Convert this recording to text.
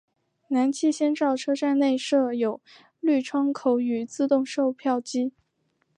南气仙沼车站内设有绿窗口与自动售票机。